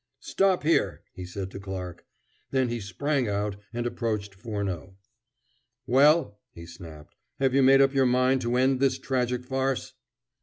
"Stop here!" he said to Clarke. Then he sprang out, and approached Furneaux. "Well?" he snapped, "have you made up your mind to end this tragic farce?"